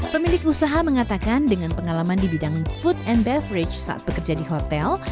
pemilik usaha mengatakan dengan pengalaman di bidang food and beverage saat bekerja di hotel